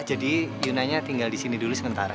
jadi yuna nya tinggal di sini dulu sementara